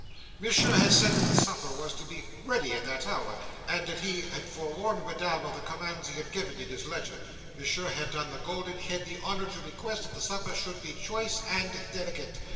Monsieur had said that supper was to be ready at that hour: also that he had forewarned Madame of the commands he had given, in his letter. Monsieur had done the Golden Head the honour to request that the supper should be choice and delicate.